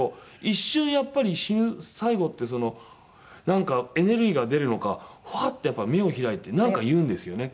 一瞬やっぱり死ぬ最期ってなんかエネルギーが出るのかハッ！って目を開いてなんか言うんですよね